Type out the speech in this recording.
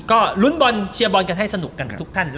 ก็ลุ้นบอลเชียร์บอลกันให้สนุกกันกับทุกท่าน